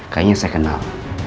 kayaknya saya kenal